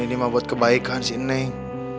ini mah buat kebaikan sih neng